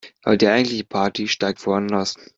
Aber die eigentliche Party steigt woanders.